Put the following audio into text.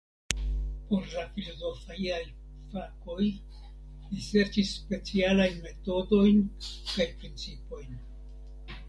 Por la filozofiaj fakoj li serĉis specialajn metodojn kaj principojn.